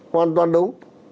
hoàn toàn đúng